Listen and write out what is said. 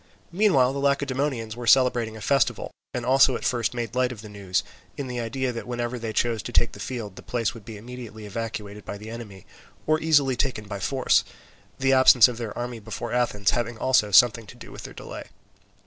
Meanwhile the Lacedaemonians were celebrating a festival, and also at first made light of the news, in the idea that whenever they chose to take the field the place would be immediately evacuated by the enemy or easily taken by force; the absence of their army before Athens having also something to do with their delay.